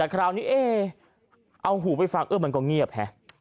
แต่คราวนี้เอ๊เอาหูไปฟังเออมันก็เงียบฮะ